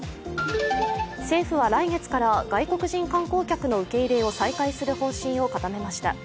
政府は来月から外国人観光客の受け入れを再開する方針を固めました。